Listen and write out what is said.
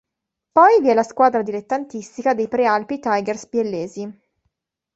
Poi vi è la squadra dilettantistica dei Prealpi Tigers biellesi.